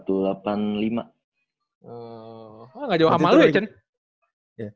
oh gak jauh sama lu ya ceni